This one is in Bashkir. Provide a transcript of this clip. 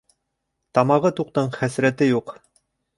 Тамағы туҡтың хәсрәте юҡ.